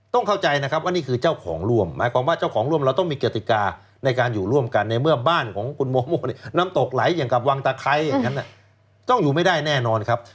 ต้องเข้าใจนะครับว่านี่คือเจ้าของร่วมหมายความว่าเจ้าของร่วมเราต้องมีกติกาในการอยู่ร่วมกันในเมื่อบ้านของคุณโมโมน้ำตกไหลอย่างกับวังตะไคร้อย่างนั้นต้องอยู่ไม่ได้แน่นอนครับ